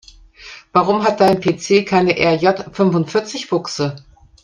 Warum hat dein PC keine RJ-fünfundvierzig-Buchse?